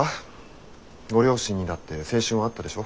ご両親にだって青春はあったでしょ？